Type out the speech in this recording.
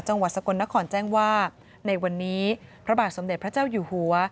จังหวัดสกลนครแจ้งว่าในวันนี้พระบาทสมเด็จพระเจ้าอยู่หัว